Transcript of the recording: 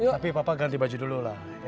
tapi papa ganti baju dulu lah